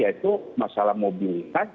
yaitu masalah mobilitas